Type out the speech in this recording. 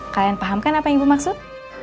kalian paham kan apa yang ibu maksud